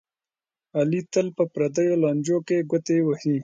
علي تل په پردیو لانجو کې ګوتې وهي.